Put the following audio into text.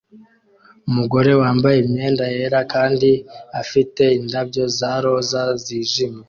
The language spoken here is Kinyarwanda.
Umugore wambaye imyenda yera kandi afite indabyo za roza zijimye